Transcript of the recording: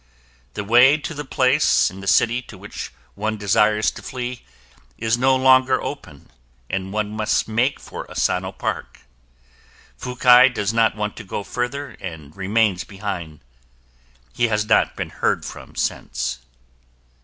The way to the place in the city to which one desires to flee is no longer open and one must make for Asano Park. Fukai does not want to go further and remains behind. He has not been heard from since.